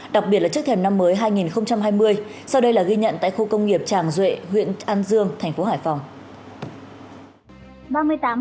đặc biệt là trước thềm năm mới hai nghìn hai mươi sau đây là ghi nhận tại khu công nghiệp tràng duệ huyện an dương tp hcm